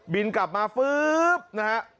บินกลับมาฟึ๊บนะฮะ